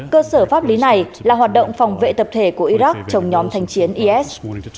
cuộc chiến này là hoạt động phòng vệ tập thể của iraq chống nhóm thanh chiến is